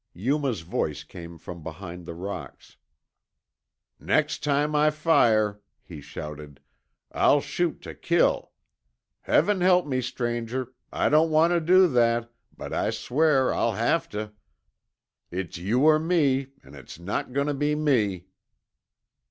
Yuma's voice came from behind the rocks. "Next time I fire," he shouted, "I'll shoot tuh kill. Heaven help me, stranger, I don't want tuh do that, but I swear I'll have tuh. It's you or me, an' it's not goin' tuh be me."